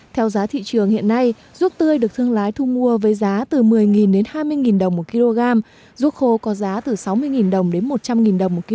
theo giá thị trường hiện nay ruốc tươi được thương lái thu mua với giá từ một mươi đến hai mươi đồng một kg ruốc khô có giá từ sáu mươi đồng đến một trăm linh đồng một kg